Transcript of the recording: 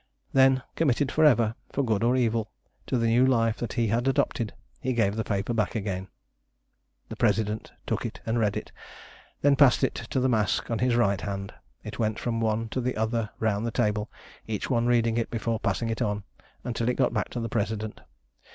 Then committed for ever, for good or evil, to the new life that he had adopted he gave the paper back again. The President took it and read it, and then passed it to the mask on his right hand. It went from one to the other round the table, each one reading it before passing it on, until it got back to the President.